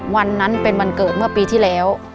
วันนั้นเป็นวันเกิดเมื่อปีที่แล้ว